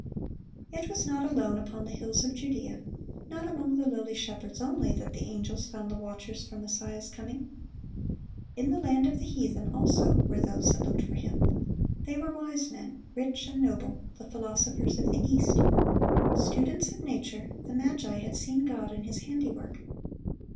It was not alone upon the hills of Judea, not among the lowly shepherds only, that angels found the watchers for Messiah's coming. In the land of the heathen also were those that looked for Him; they were wise men, rich and noble, the philosophers of the East. Students of nature, the magi had seen God in His handiwork.